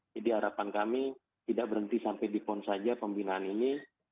jadi harapan kami tidak berhenti sampai di pon saja pembinaan ini